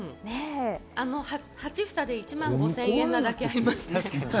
８房で１万５０００円なだけありますね。